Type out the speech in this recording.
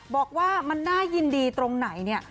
บอกว่ามันน่ายินดีตรงไหนเนี่ย